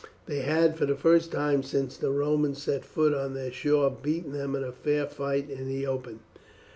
They had for the first time since the Romans set foot on their shore beaten them in a fair fight in the open.